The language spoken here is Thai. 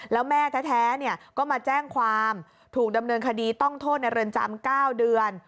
แล้วแม่แท้ก็มาแจ้งความถูกดำเนินคดีต้องโทษในเรือนจำ๙เดือน